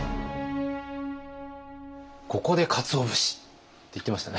ここでかつお節って言ってましたね。